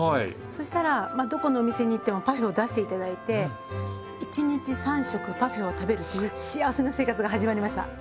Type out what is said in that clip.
そしたらまあどこの店に行ってもパフェを出して頂いて一日３食パフェを食べるという幸せな生活が始まりました。